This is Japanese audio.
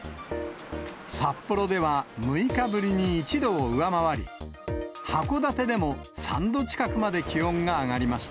札幌では６日ぶりに１度を上回り、函館でも３度近くまで気温が上がりました。